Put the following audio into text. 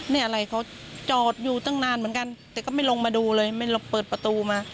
นี่อะไรเขาจอดอยู่ตั้งนานเหมือนกันแต่ก็ไม่ลงมาดูเลยเปิดประตูมา